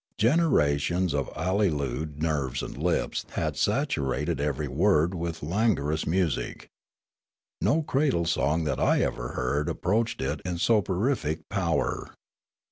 Generations of ailooled nerves and lips had saturated every word with languor ous music. No cradle song that I had ever heard ap proached it in soporific power.